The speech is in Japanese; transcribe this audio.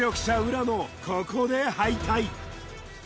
浦野ここで敗退